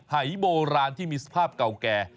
หายโบราณที่มีสภาพเก่าแก่